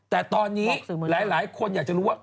แต่ตอนนี้หลายคนอยากจะรู้ว่า